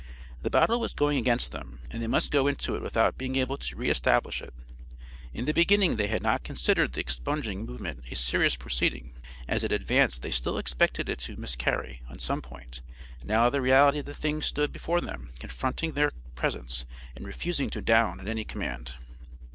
The battle was going against them, and they must go into it without being able to re establish it. In the beginning they had not considered the expunging movement a serious proceeding, as it advanced they still expected it to miscarry on some point, now the reality of the thing stood before them confronting their presence and refusing to "down" at any command.